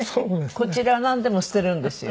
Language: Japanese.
こちらはなんでも捨てるんですよ。